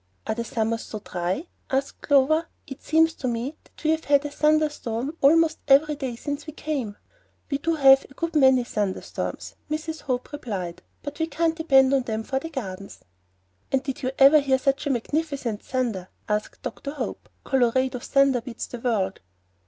"Are the summers so dry?" asked Clover. "It seems to me that we have had a thunder storm almost every day since we came." "We do have a good many thunderstorms," Mrs. Hope admitted; "but we can't depend on them for the gardens." "And did you ever hear such magnificent thunder?" asked Dr. Hope. "Colorado thunder beats the world."